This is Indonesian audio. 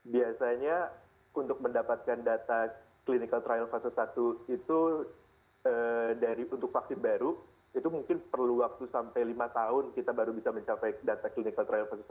biasanya untuk mendapatkan data clinical trial fase satu itu untuk vaksin baru itu mungkin perlu waktu sampai lima tahun kita baru bisa mencapai data clinical trial fase satu